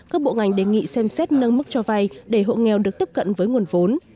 các bộ ngành đề nghị xem xét nâng mức cho vay để hộ nghèo được tiếp cận với nguồn vốn